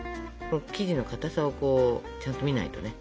生地のかたさをこうちゃんと見ないとね。